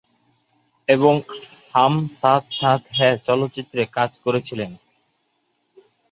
এবং "হাম সাথ সাথ হ্যায়" চলচ্চিত্রে কাজ করেছিলেন।